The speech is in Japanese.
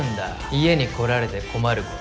家に来られて困ること。